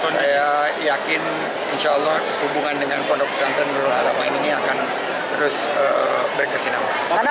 saya yakin insya allah hubungan dengan pondok pesantren nurul aramain ini akan terus berkesinangan